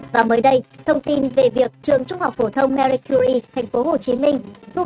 và mới đây thông tin về việc trường trung học phổ thông merit cury tp hcm thu phí nghỉ trưa